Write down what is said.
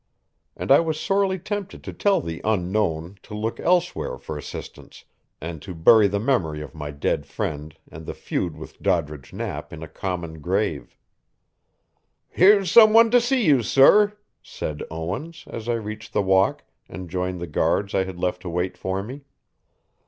And I was sorely tempted to tell the Unknown to look elsewhere for assistance, and to bury the memory of my dead friend and the feud with Doddridge Knapp in a common grave. "Here's some one to see you, sir," said Owens, as I reached the walk, and joined the guards I had left to wait for me.